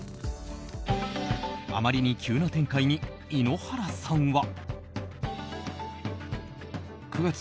あまりに急な展開に井ノ原さんは。